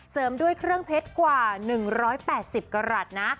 ด้วยเครื่องเพชรกว่า๑๘๐กรัฐนะ